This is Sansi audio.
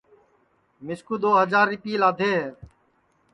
مِسکُُو دؔو ہجار رِیپئے لادھے ہے